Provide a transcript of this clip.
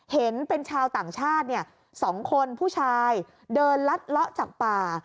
เห็นเป็นชาวต่างชาติ๒คนผู้ชายเดินลัดเลาะจากป่า